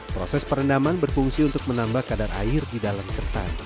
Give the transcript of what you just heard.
proses perendaman berfungsi untuk menambah kadar air di dalam ketan